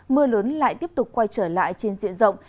mưa lớn lại tiếp tục quay trở lại trên diện rộng